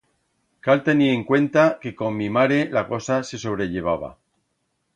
Cal tenir en cuenta que con mi mare la cosa se sobrellevaba.